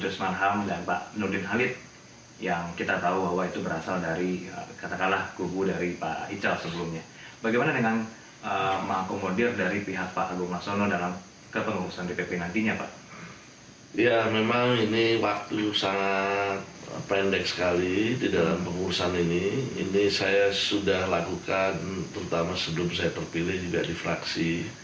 saya lakukan terutama sebelum saya terpilih juga di fraksi